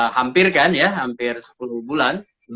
hampir kan ya hampir sepuluh bulan